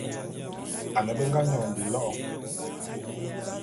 Ane be nga nyon bilo'o.